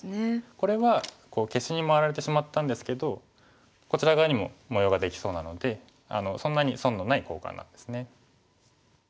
これは消しに回られてしまったんですけどこちら側にも模様ができそうなのでそんなに損のない交換なんですね。